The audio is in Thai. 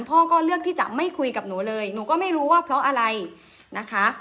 พ่อก็เลือกที่จะไม่คุยกับหนูเลยหนูก็ไม่รู้ว่าเพราะอะไรนะคะ